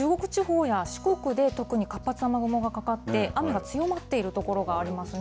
中国地方や四国で、特に活発な雨雲がかかって、雨が強まっている所がありますね。